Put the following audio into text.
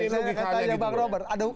saya mau tanya bang robert